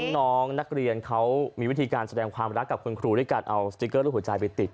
น้องนักเรียนเขามีวิธีการแสดงความรักกับคุณครูด้วยการเอาสติ๊กเกอร์รูปหัวใจไปติด